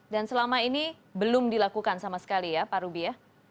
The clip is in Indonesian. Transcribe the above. dan selama ini belum dilakukan sama sekali ya pak ruby